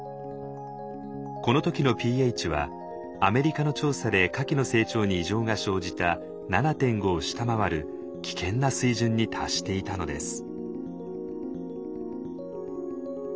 この時のｐＨはアメリカの調査でカキの成長に異常が生じた７．５を下回る危険な水準に達していたのです。